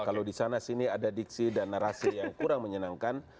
kalau di sana sini ada diksi dan narasi yang kurang menyenangkan